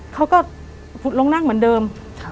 เขาก็ลงนั่งเหมือนเดิม